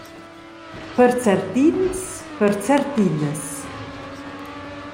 Per certins, per certinas.